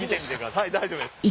はい大丈夫です。